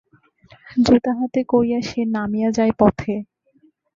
জুতা হাতে করিয়া সে নামিয়া যায় পথে।